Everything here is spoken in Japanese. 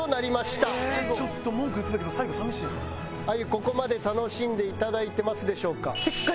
ここまで楽しんでいただいてますでしょうか？